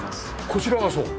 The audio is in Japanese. こちらがそう？